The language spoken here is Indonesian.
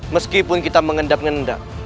meskipun kita mengendap endap